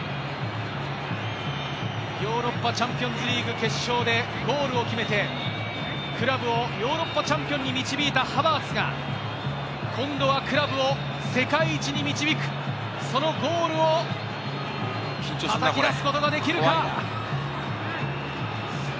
ヨーロッパチャンピオンズリーグ決勝でゴールを決めて、クラブをヨーロッパチャンピオンに導いたハバーツが今度はクラブを世界一に導く、そのゴールをたたき出すことができるか。